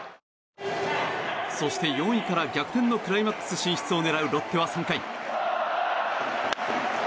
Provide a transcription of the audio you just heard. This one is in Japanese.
そして、４位から逆転のクライマックス進出を狙うロッテは３回。